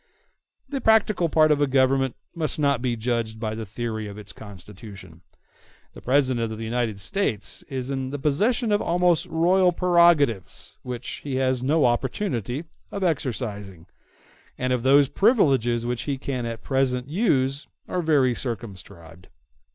The practical part of a Government must not be judged by the theory of its constitution. The President of the United States is in the possession of almost royal prerogatives, which he has no opportunity of exercising; and those privileges which he can at present use are very circumscribed.